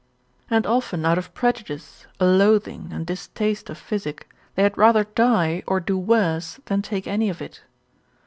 And often out of prejudice, a loathing, and distaste of physic, they had rather die, or do worse, than take any of it.